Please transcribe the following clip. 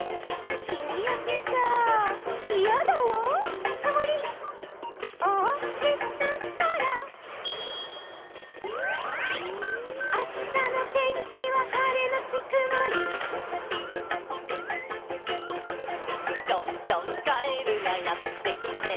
「『ひにやけちゃイヤだわ』」「くもりをおしたから」「あしたのてんきははれのちくもり」「ぴょんぴょんカエルがやってきて」